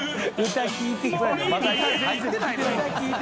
歌聴いて！）